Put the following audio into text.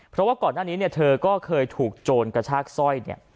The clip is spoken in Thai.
เพราะว่าก่อนหน้านี้เนี่ยเธอก็เคยถูกโจรกระชากสร้อยเนี่ย